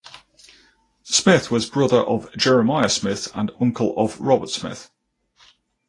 Smith was brother of Jeremiah Smith and uncle of Robert Smith.